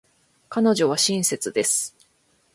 彼女は親切です。